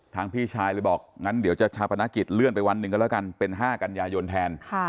พี่ชายเลยบอกงั้นเดี๋ยวจะชาปนกิจเลื่อนไปวันหนึ่งก็แล้วกันเป็น๕กันยายนแทน